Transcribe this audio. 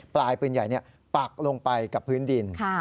ปลายปืนใหญ่ปักลงไปกับพื้นดิน